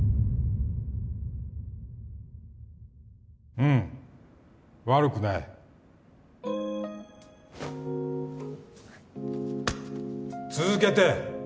うん悪くない続けて！